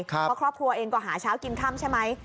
เพราะครอบครัวเองก็หาเช้ากินค่ำใช่ไหม